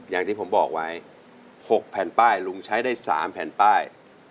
อย่างที่ผมบอกไว้๖แผ่นป้ายลุงใช้ได้๓แผ่นป้าย